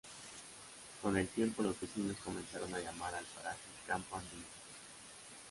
Con el tiempo los vecinos comenzaron a llamar al paraje Campo Andino.